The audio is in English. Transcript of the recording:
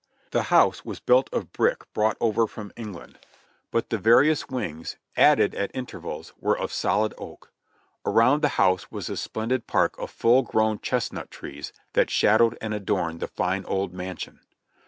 The house was built of brick brought over from England, but 88 JOHNNY REB AND BII,I,Y YANK the various wings, added at intervals, were of solid oak. Around the house was a splendid park of full grown chestnut trees that shadowed and adorned the fine old mansion.